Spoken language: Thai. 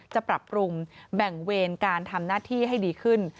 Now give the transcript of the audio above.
จะปรับปรุงแบ่งเวรการทำหน้าที่ให้ดีขึ้น